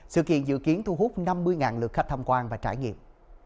sự kiện dự kiến thu hút năm mươi lượt khách tham quan và trải nghiệm